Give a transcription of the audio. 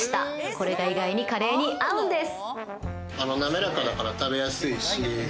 これが意外にカレーに合うんです。